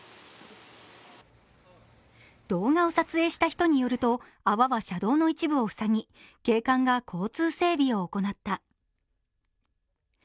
動画を撮影した人によると、泡は車道の一部をふさぎ、警官が交通整備を行った。